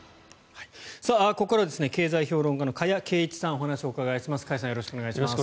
ここからは経済評論家の加谷珪一さんにお話をお伺いします。